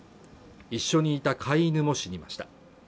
一緒にいた飼い犬も知りました